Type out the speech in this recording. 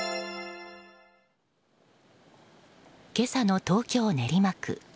今朝の東京・練馬区。